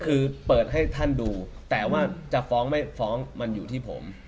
คือเปิดให้ท่านดูแต่ว่าจะฟ้องไม่ฟ้องมันอยู่ที่ผม